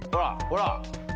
ほら。